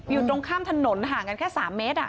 อยู่ตรงข้ามถนนห่างกันแค่๓เมตร